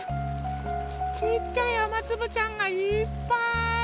ちいちゃいあまつぶちゃんがいっぱい！